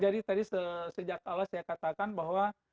jadi tadi sejak awal saya katakan bahwa